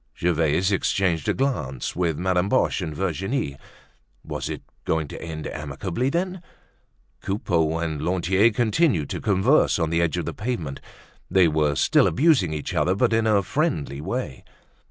Gervaise exchanged a glance with Madame Boche and Virginie. Was it going to end amicably then? Coupeau and Lantier continued to converse on the edge of the pavement. They were still abusing each other, but in a friendly way.